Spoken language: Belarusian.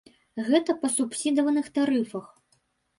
Гэта па субсідаваных тарыфах.